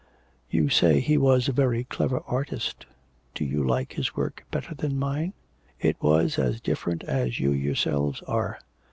'You say he was a very clever artist. Do you like his work better than mine?' 'It was as different as you yourselves are.'